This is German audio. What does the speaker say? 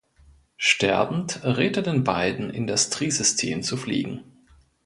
Sterbend rät er den beiden, in das Tri-System zu fliegen.